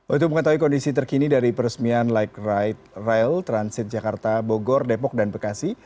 untuk mengetahui kondisi terkini dari peresmian light rail transit jakarta bogor depok dan bekasi